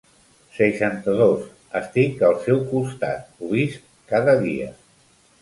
Seixanta-dos estic al seu costat, ho visc cada dia.